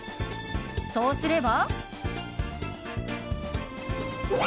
そうすれば。